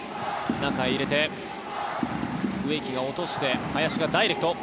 中へ入れて、植木が落として林がダイレクト。